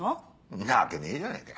んなわけねえじゃねぇか。